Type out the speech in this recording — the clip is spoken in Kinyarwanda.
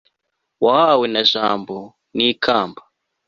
wahawe na jambo, n'ikamba